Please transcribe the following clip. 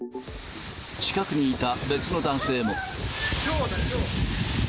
近くにいた別の男性も。